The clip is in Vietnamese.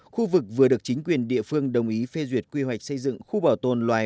khu vực vừa được chính quyền địa phương đồng ý phê duyệt quy hoạch xây dựng khu bảo tồn loài